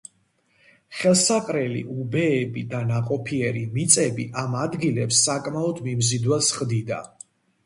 ხელსაყრელი უბეები და ნაყოფიერი მიწები ამ ადგილებს საკმაოდ მიმზიდველს ხდიდა.